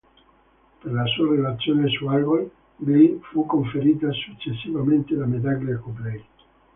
Per la sua relazione su Algol gli fu conferita successivamente la Medaglia Copley.